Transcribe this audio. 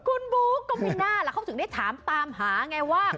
คุณบุ๊กก็ไม่น่าล่ะเขาถึงได้ถามตามหาไงว่า